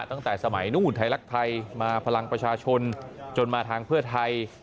ตั้งแต่สมัยนู้นไทยรักไทยมาพลังประชาชนจนมาทางเพื่อไทย